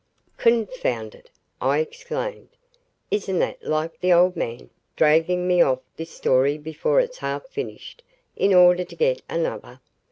"Confound it!" I exclaimed, "isn't that like the old man dragging me off this story before it's half finished in order to get another.